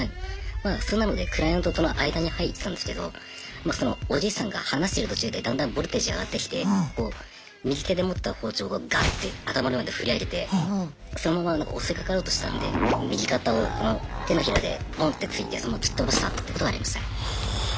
まあそんなのでクライアントとの間に入ってたんですけどそのおじいさんが話してる途中でだんだんボルテージ上がってきて右手で持った包丁をガッて頭の上まで振り上げてそのまま襲いかかろうとしたんで右肩をこの手のひらでボンって突いて突き飛ばしたことはありましたね。